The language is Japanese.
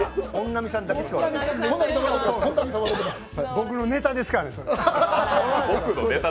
僕のネタですからね、それ。